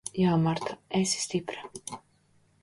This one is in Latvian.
Jā, Marta. Esi stipra.